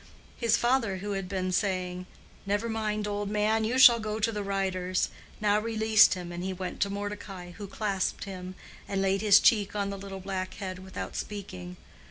His father, who had been saying, "Never mind, old man; you shall go to the riders," now released him, and he went to Mordecai, who clasped him, and laid his cheek on the little black head without speaking.